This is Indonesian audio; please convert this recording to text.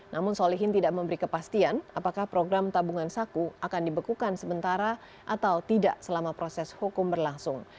namun solihin tidak memberi kepastian apakah program tabungan saku akan dibekukan sementara atau tidak selama proses hukum berlangsung